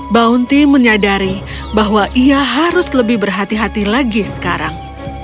bounty menyadari bahwa ia harus lebih berhati hati lagi sekarang